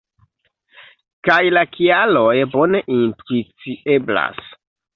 Kaj la kialoj bone intuicieblas.